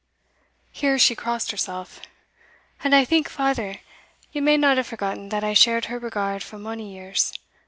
(here she crossed herself) "and I think farther, ye may not have forgotten that I shared her regard for mony years.